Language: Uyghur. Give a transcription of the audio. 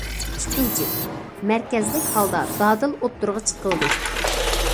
ئىككىنچى، مەركەزلىك ھالدا دادىل ئوتتۇرىغا چىقىلدى.